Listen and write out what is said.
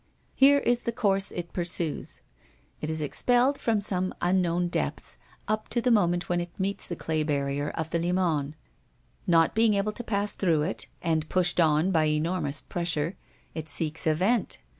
"Here is the course it pursues. It is expelled from some unknown depths, up to the moment when it meets the clay barrier of the Limagne. Not being able to pass through it, and pushed on by enormous pressure, it seeks a vent.